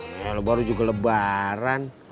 ya lu baru juga lebaran